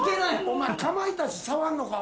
お前らかまいたち触んのか。